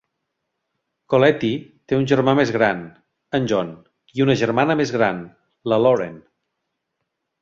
Colletti té un germà més gran, en John, i una germana més gran, la Lauren.